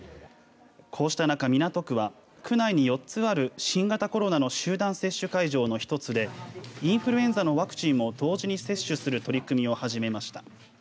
こうした中、港区は区内に４つある新型コロナの集団接種会場の１つでインフルエンザのワクチンを同時に接種する取り組みを始めました。